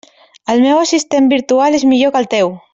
El meu assistent virtual és millor que el teu.